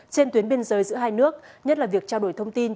trên tuyến biên giới giữa hai nước nhất là việc trao đổi thông tin